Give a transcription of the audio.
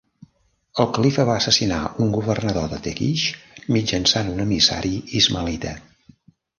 El califa va assassinar un governador de Tekish mitjançant un emissari ismaelita.